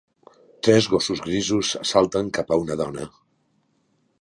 Tres gossos grisos salten cap a una dona.